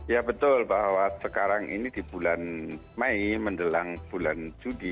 ya betul bahwa sekarang ini di bulan mei menjelang bulan juni